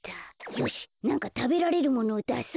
よしなんかたべられるものをだそう。